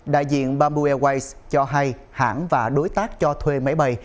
đại diện bamboo airways cho hay hãng và đối tác cho thuê máy bay